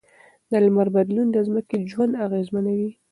د لمر بدلون د ځمکې ژوند اغېزمنوي.